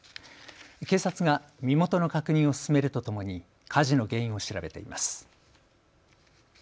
警察が身元の確認を進めるとともに火事の原因を調べています。